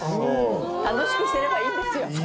楽しくしてればいいんですよ。